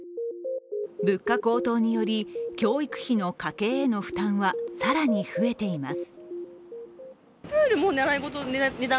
物価高騰により、教育費の家計への負担は更に増えています。